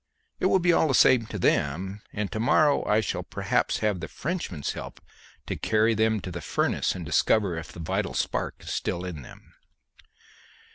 It will be all the same to them, and to morrow I shall perhaps have the Frenchman's help to carry them to the furnace and discover if the vital spark is still in them.